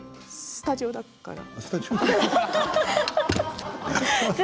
スタジオだから。